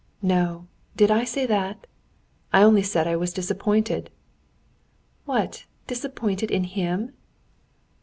"No; did I say that? I only said I was disappointed." "What! disappointed in him?"